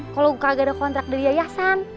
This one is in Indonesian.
kalau kagak ada kontrak dari yayasan